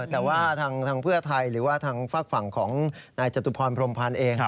แต่ว่าทางเพื่อไทยหรือว่าทางฝากฝั่งของนายจตุพรพรมพันธ์เอง